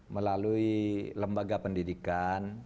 melalui lembaga pendidikan